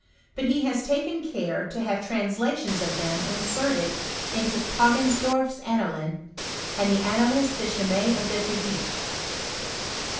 but he has taken care to have translations of them ' inserted into Poggensdorf's Annalen, and the An nales de Chimie et de Physique.